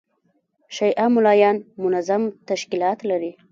شیعه مُلایان منظم تشکیلات لري.